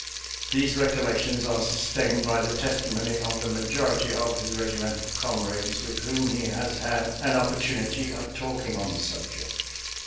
Tiese recollections are sustained by the testi mony of the majority of his regimental comrades with whom he has had an opportunity of talking on the subject.